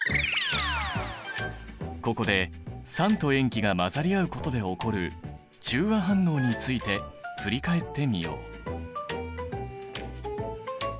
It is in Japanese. ここで酸と塩基が混ざり合うことで起こる中和反応について振り返ってみよう。